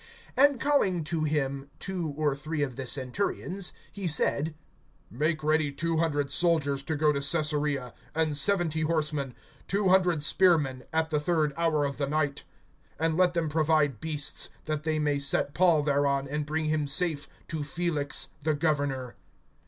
(23)And calling to him two or three of the centurions, he said: Make ready two hundred soldiers to go to Caesarea, and seventy horsemen, two hundred spearmen, at the third hour of the night; (24)and let them provide beasts, that they may set Paul thereon, and bring him safe to Felix the governor.